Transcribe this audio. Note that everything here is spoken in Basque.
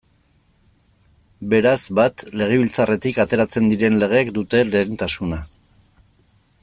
Beraz, bat, Legebiltzarretik ateratzen diren legeek dute lehentasuna.